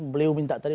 beliau minta tadi